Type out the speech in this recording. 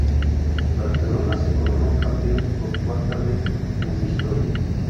Barcelona se coronó campeón por cuarta vez en su historia.